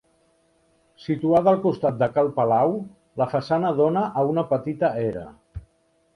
Situada al costat de Cal Palau, la façana dóna a una petita era.